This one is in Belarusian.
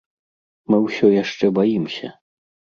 Мы ўсё яшчэ баімся.